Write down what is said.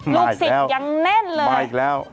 ลูกศิษย์ยังแน่นเลยมาอีกแล้ว